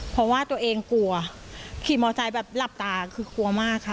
เพราะว่าตัวเองกลัวขี่มอไซค์แบบหลับตาคือกลัวมากค่ะ